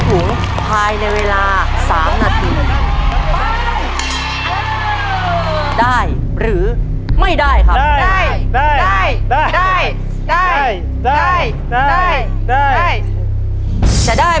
กลับไปบ้านเท่าไร